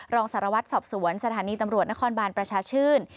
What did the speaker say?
รองสารวัตรสอบสวนสถานีตำรวจนครบานประชาชื่น